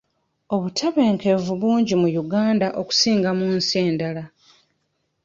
Obutebenkevu bungi mu Uganda okusinga mu nsi endala.